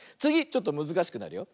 ちょっとむずかしくなるよ。